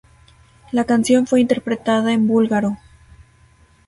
La canción fue interpretada en búlgaro.